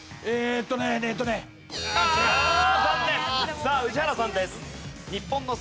さあ宇治原さんです。